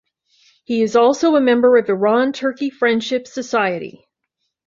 He is also a member of Iran-Turkey Friendship society.